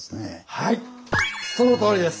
はいそのとおりです！